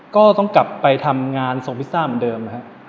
ก็ต้องกลับไปทำงานส่งพิซซ่าเหมือนเดิมนะครับ